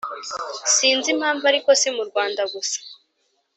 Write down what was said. Sinzi impamvu, ariko si mu Rwanda gusa.